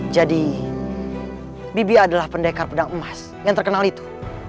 bibi adalah pendekar pedang emas yang terkenal itu